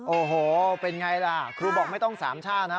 โอ้โฮเป็นอย่างไรล่ะครูบอกไม่ต้องสามช่านะครับ